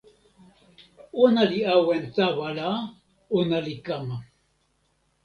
ona li awen tawa la, ona li kama